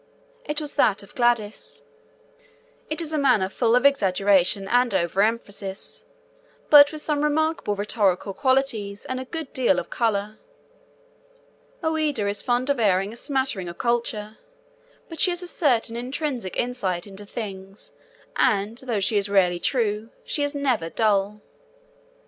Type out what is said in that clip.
It was that of Gladys. It is a manner full of exaggeration and overemphasis, but with some remarkable rhetorical qualities and a good deal of colour. Ouida is fond of airing a smattering of culture, but she has a certain intrinsic insight into things and, though she is rarely true, she is never dull.